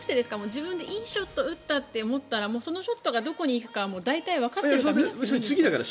自分でいいショットを打ったと思ったらそのショットがどこに行くか大体わかってるから見なくていいんですかね。